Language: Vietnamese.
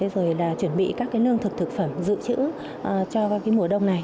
rồi là chuẩn bị các lương thực thực phẩm dự trữ cho mùa đông này